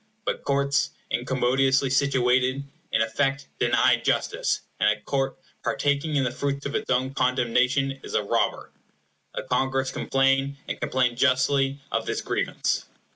But courts incommodiously situated, in effect, deny justice, and a court partaking in the fruits of its own condemnation is a robber. The Congress complain, and complain justly, of this grievance.